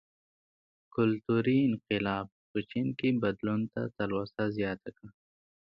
کلتوري انقلاب په چین کې بدلون ته تلوسه زیاته کړه.